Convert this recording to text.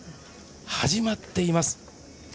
始まっています。